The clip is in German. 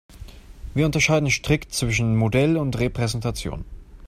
Wir unterscheiden strikt zwischen Modell und Repräsentation.